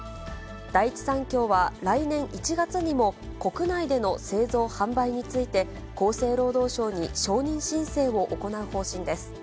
第一三共は来年１月にも国内での製造・販売について、厚生労働省に承認申請を行う方針です。